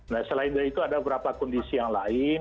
nah selain dari itu ada beberapa kondisi yang lain